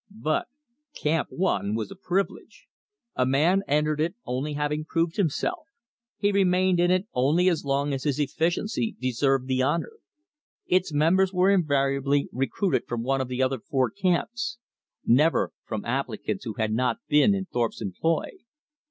But Camp One was a privilege. A man entered it only after having proved himself; he remained in it only as long as his efficiency deserved the honor. Its members were invariably recruited from one of the other four camps; never from applicants who had not been in Thorpe's employ.